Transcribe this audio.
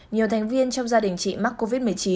nhiều thành viên trong gia đình chị mắc covid một mươi chín